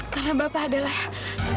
karena bapak adalah mas